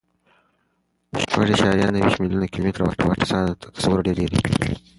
شپږ اعشاریه نهه ویشت میلیونه کیلومتره واټن د انسان له تصوره ډېر لیرې دی.